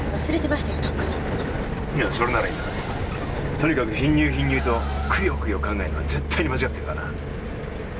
とにかく貧乳貧乳とくよくよ考えるのは絶対に間違ってるからな。